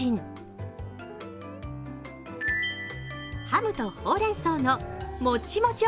ハムとほうれん草のもちもち！